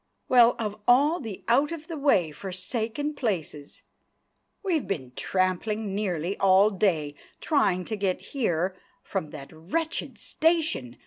Well, of all the out of the way forsaken places! We've been tramping nearly all day, trying to get here from that wretched station!